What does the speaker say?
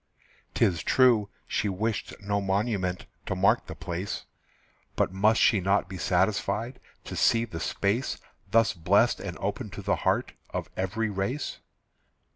'Tis true, she wished no monument To mark the place; But must she not be satisfied To see the space Thus blessed and open to the heart Of every race?